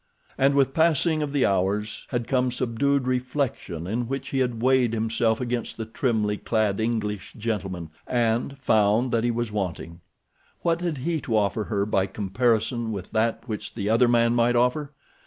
And with passing of the hours had come subdued reflection in which he had weighed himself against the trimly clad English gentleman and—found that he was wanting. What had he to offer her by comparison with that which the other man might offer?